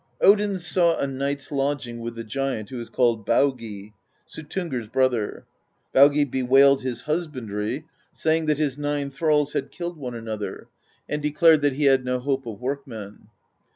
"Odin sought a night's lodging with the giant who is called Baugi, Suttungr's brother. Baugi bewailed his hus bandry, saying that his nine thralls had killed one another, THE POESY OF SKALDS 95 and declared that he had no hope of workmen.